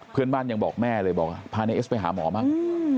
เพื่อนบ้านยังบอกแม่เลยบอกพานายเอสไปหาหมอบ้าง